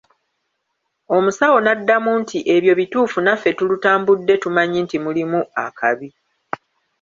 Omusawo n'addamu nti ebyo bituufu naffe tulutambudde tumanyi nti mulimu akabi.